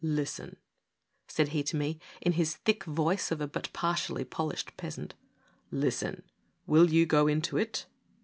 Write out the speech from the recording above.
" Listen," said he to me, in his thick voice of a but partially polished peasant, " listen : will you go into it